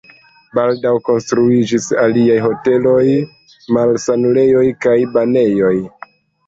Baldaŭ konstruiĝis aliaj hoteloj, malsanulejoj kaj banejoj.